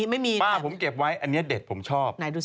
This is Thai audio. ไม่มีป้าผมเก็บไว้อันนี้เด็ดผมชอบ